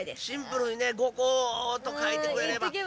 シンプルにね５個とかいてくれれば。